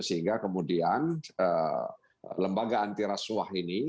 sehingga kemudian lembaga antirasuah ini